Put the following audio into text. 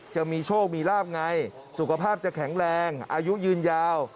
จะมีโชคมีลาบไงสุขภาพจะแข็งแรงอายุยืนยาว